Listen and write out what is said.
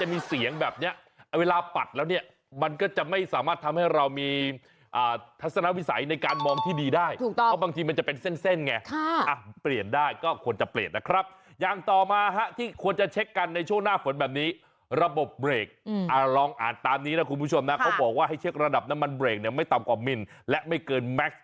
เห็นไหมมันใกล้ตัวเรามากฝนตกเราก็ต้องใช้ที่ปัดน้ำฝนเนี่ย